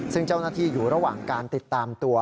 ซึ่งเจ้าหน้าที่อยู่ระหว่างการติดตามตัว